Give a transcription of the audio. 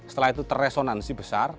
setelah itu terresonansi besar